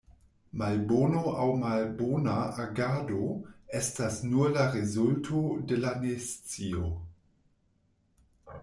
Malbono aŭ malbona agado estas nur la rezulto de la nescio.